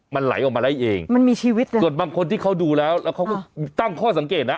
มันไหลออกมาได้เองมันมีชีวิตเลยส่วนบางคนที่เขาดูแล้วแล้วเขาก็ตั้งข้อสังเกตนะ